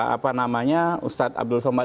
apa namanya ustadz abdul somad